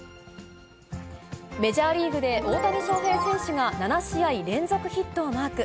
メジャーリーグで大谷翔平選手が７試合連続ヒットをマーク。